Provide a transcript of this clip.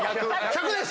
１００です！